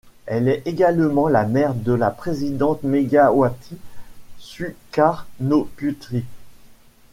Elle est également la mère de la présidente Megawati Sukarnoputri.